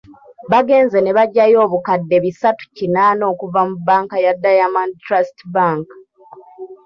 Bagenze ne bagyayo obukadde bisatu kinaana okuva mu banka ya Diamond Trust Bank